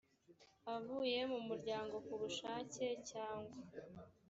avuye mu muryango ku bushake cyangwa